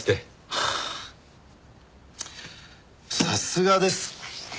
はあさすがです。